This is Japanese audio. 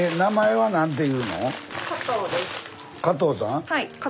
はい。